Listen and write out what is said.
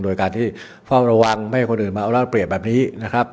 แล้วก็จะพอระวังให้คนอื่นมาเอาราวเปลี่ยนแบบนี้นะครับ